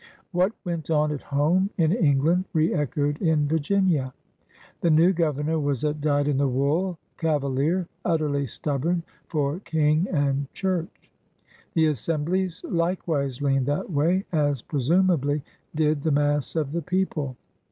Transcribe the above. What went on at home in England reSchoed in Virginia. The new Gov ernor was a dyed in the wool Cavalier, utterly stubborn for King and Church. The Assemblies likewise leaned that way, as presumably did the mass of the people.